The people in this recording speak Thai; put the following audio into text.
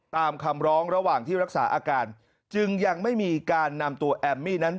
ตามคำร้องระหว่างที่รักษาอาการจึงยังไม่มีการนำตัวแอมมี่นั้น